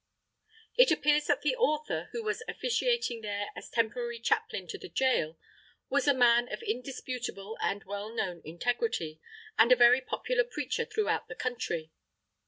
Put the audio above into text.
It appears that the author, who was officiating there as temporary chaplain to the jail, was a man of indisputable and well known integrity, and a very popular preacher throughout the county.